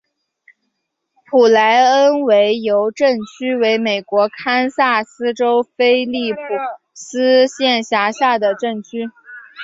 普莱恩维尤镇区为美国堪萨斯州菲利普斯县辖下的镇区。